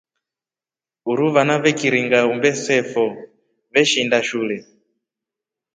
Uruu vaana vikiringa uumbe sefo veshinda shule.